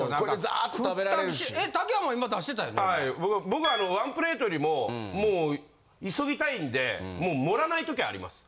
僕はワンプレートよりももう急ぎたいんで盛らない時あります。